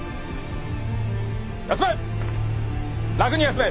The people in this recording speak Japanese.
休め。